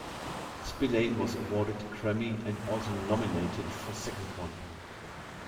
Spillane was awarded a Grammy and also nominated for second one.